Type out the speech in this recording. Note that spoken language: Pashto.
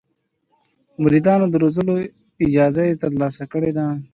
د مریدانو د روزلو اجازه یې ترلاسه کړه.